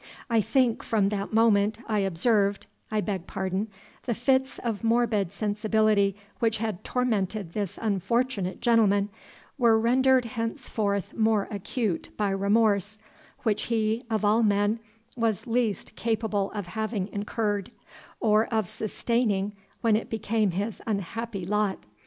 I think, from that moment, I observed I beg pardon The fits of morbid sensibility which had tormented this unfortunate gentleman, were rendered henceforth more acute by remorse, which he, of all men, was least capable of having incurred, or of sustaining when it became his unhappy lot.